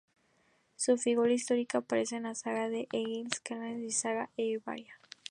Su figura histórica aparece en la "saga de Egil Skallagrímson", y "saga Eyrbyggja".